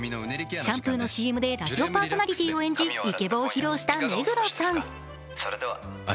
シャンプーのＣＭでラジオパーソナリティーを演じイケボを披露した目黒さん。